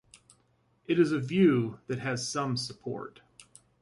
It is a view that has some support.